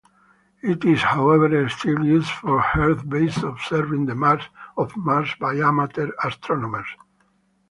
It is however still used for Earth-based observing of Mars by amateur astronomers.